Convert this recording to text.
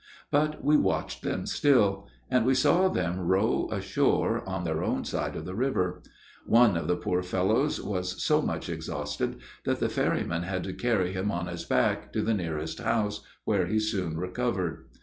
But we watched them still; and we saw them row ashore, on their own side of the river. One of the poor fellows was so much exhausted, that the ferryman had to carry him on his back to the nearest house, where he soon recovered.